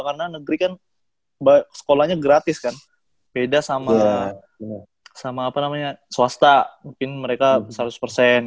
karena negeri kan sekolahnya gratis kan beda sama swasta mungkin mereka seratus gitu kan